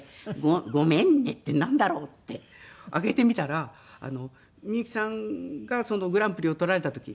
「ごめんね」ってなんだろう？って開けてみたらみゆきさんがグランプリをとられた時